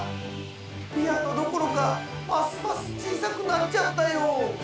ピアノどころかますます小さくなっちゃったよ。